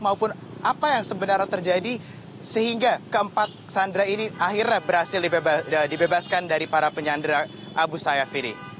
maupun apa yang sebenarnya terjadi sehingga keempat sandera ini akhirnya berhasil dibebaskan dari para penyandera abu sayyaf ini